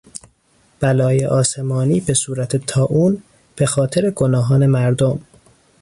بلای آسمانی به صورت طاعون به خاطر گناهان مردم